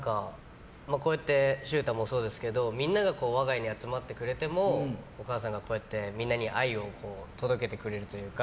こうやって秀太もそうですけどみんなが我が家に集まってくれてもお母さんがこうやってみんなに愛を届けてくれるというか。